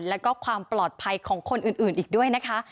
แล้วก็ความปลอดภัยของคนอื่นอีกด้วยนะคะ